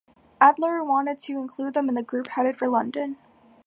Adler wanted to include them in the group headed for London.